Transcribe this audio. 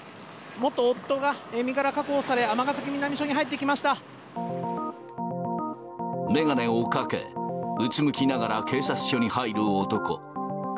元夫が身柄確保され、尼崎南眼鏡をかけ、うつむきながら警察署に入る男。